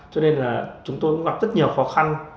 cho nên là chúng tôi cũng gặp rất nhiều khó khăn